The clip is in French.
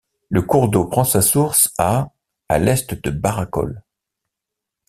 Le cours d’eau prend sa source à à l’est de Barakkol.